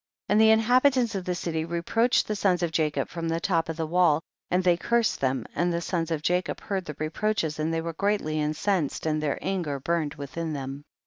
26. And the inhabitants of the city reproached the sons of Jacob from the top of the wall, and they cursed them, and the sons of Jacob heard the reproaches and they were greatly incensed, and their anger burned within them.